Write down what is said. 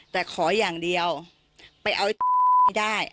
แต่ขออย่างเดียวไปเอาไม่ได้